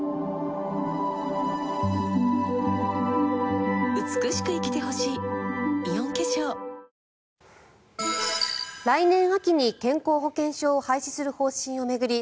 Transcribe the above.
わかるぞ来年秋に健康保険証を廃止する方針を巡り